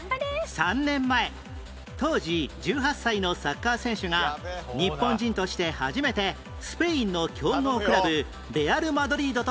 ３年前当時１８歳のサッカー選手が日本人として初めてスペインの強豪クラブレアル・マドリードと契約